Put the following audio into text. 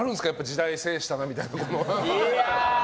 時代制したなみたいなのは。